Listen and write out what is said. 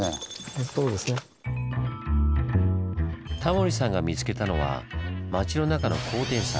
タモリさんが見つけたのは町の中の高低差。